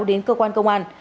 đến cơ quan công an